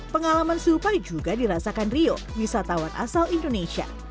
pengalaman serupa juga dirasakan rio wisatawan asal indonesia